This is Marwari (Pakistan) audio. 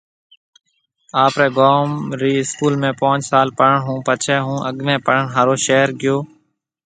آپري گوم ري اسڪول ۾ پونچ سال پڙهڻ هُون پڇي هَون اڳ ۾ پڙهڻ هارو شهر ۾ گيو